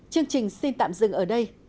chương trình xin tạm dừng ở đây